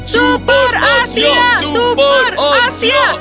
super asia super asia